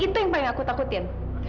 itu yang paling aku takutin